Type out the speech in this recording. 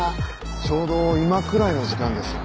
ちょうど今くらいの時間です。